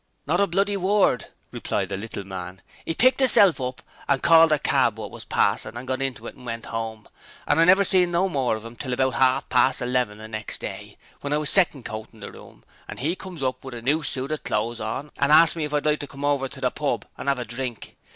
'Not a bloody word!' replied the little man, ''E picked 'isself up, and called a keb wot was passin' an' got inter it an' went 'ome; an' I never seen no more of 'im until about 'arf past eleven the next day, w'en I was second coatin' the room, an' 'e comes up with a noo suit o' clothes on, an' arsts me if I'd like to come hover to the pub an' 'ave a drink?